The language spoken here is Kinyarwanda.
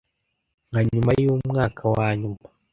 nka nyuma yumwuka wanyuma